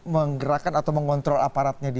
menggerakkan atau mengontrol aparatnya di